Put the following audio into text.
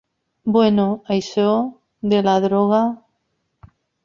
Bueno, això de la droga.